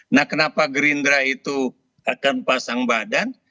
nah kenapa gerindra itu akan pasang badan